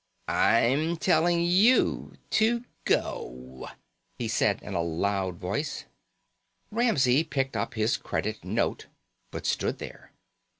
"I'm telling you to go," he said in a loud voice. Ramsey picked up his credit note but stood there.